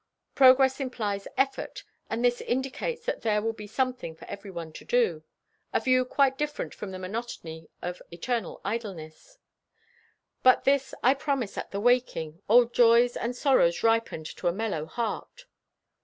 Progress implies effort, and this indicates that there will be something for everyone to do—a view quite different from the monotony of eternal idleness. But this I promise at the waking, Old joys, and sorrows ripened to a mellow heart.